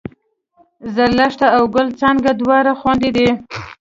زرلښته او ګل څانګه دواړه خوېندې دي